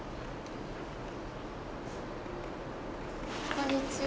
こんにちは。